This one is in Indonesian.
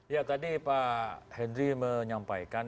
ya tadi pak henry menyampaikan